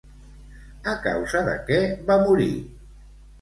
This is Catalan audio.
A causa de què va morir?